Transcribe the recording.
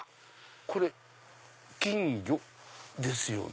これ金魚ですよね。